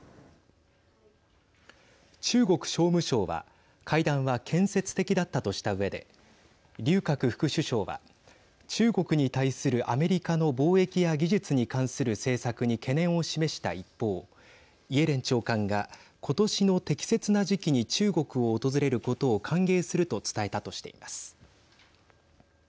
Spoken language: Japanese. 中国商務省は会談は建設的だったとしたうえで劉鶴副首相は中国に対するアメリカの貿易や技術に関する政策に懸念を示した一方イエレン長官が今年の適切な時期に中国を訪れることを歓迎すると伝えたとしています。